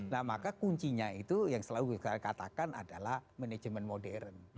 nah maka kuncinya itu yang selalu saya katakan adalah manajemen modern